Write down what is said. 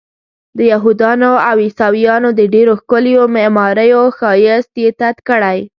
د یهودانو او عیسویانو د ډېرو ښکلیو معماریو ښایست یې تت کړی.